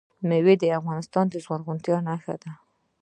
مېوې د افغانستان د زرغونتیا نښه ده.